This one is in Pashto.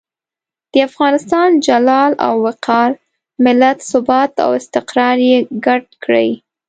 د افغانستان جلال او وقار، ملت ثبات او استقرار یې ګډ کړي.